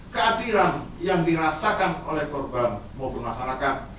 keadilan yang dirasakan oleh korban maupun masyarakat